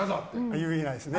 言えないですね。